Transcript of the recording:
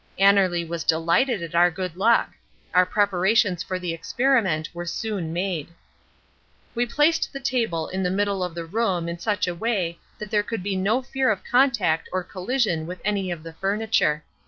Annerly was delighted at our good luck. Our preparations for the experiment were soon made. We placed the table in the middle of the room in such a way that there could be no fear of contact or collision with any of the furniture.